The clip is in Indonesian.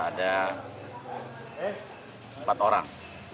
ada empat orang